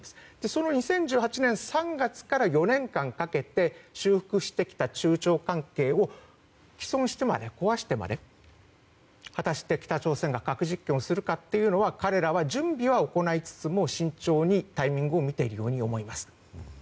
その２０１８年３月から４年間かけて修復してきた中朝関係を壊してまで果たして北朝鮮が核実験をするかというのは彼らは準備をしつつも慎重にタイミングを見ているように思います。